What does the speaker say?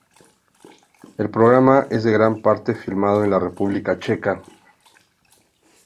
El programa es en gran parte filmado en la República Checa.